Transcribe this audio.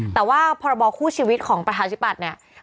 แต่ว่าพรบคู่ชีวิตของประชาธิปัตย์เนี่ย